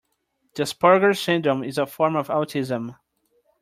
The Asperger syndrome is a form of autism.